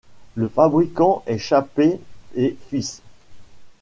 Le fabricant est Chappée et fils.